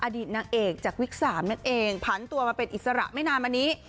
อดีตนางเอกจากวิก๓นั่นเองผันตัวมาเป็นอิสระไม่นานมานี้